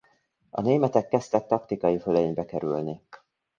A németek kezdtek taktikai fölénybe kerülni.